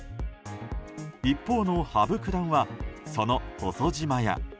一方の羽生九段はその、ほそ島や。